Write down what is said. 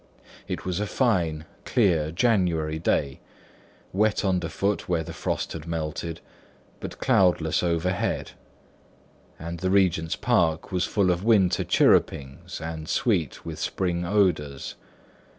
It was a fine, clear, January day, wet under foot where the frost had melted, but cloudless overhead; and the Regent's Park was full of winter chirrupings and sweet with spring odours.